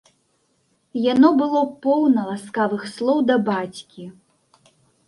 Яно было поўна ласкавых слоў да бацькі.